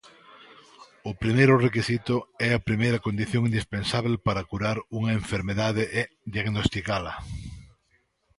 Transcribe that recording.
O primeiro requisito e a primeira condición indispensábel para curar unha enfermidade é diagnosticala.